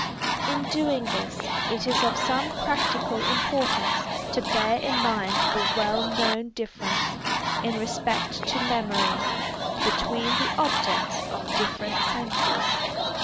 In doing this, it is of some practical importance to bear in mind the well known difference, in respect to memory, between the objects of different senses.